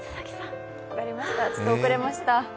ちょっと遅れました。